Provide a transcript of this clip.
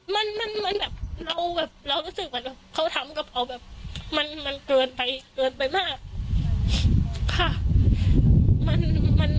มันแบบเราแบบเรารู้สึกว่าเขาทำกระเพราแบบมันเกินไปมาก